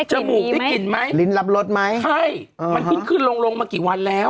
มูกได้กลิ่นไหมลิ้นรับรสไหมใช่มันขึ้นขึ้นลงลงมากี่วันแล้ว